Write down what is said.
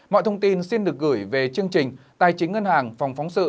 mọi thông tin xin được gửi về chương trình tài chính ngân hàng phòng phóng sự